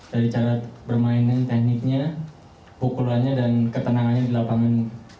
dari cara bermainnya tekniknya pukulannya dan ketenangannya di lapangan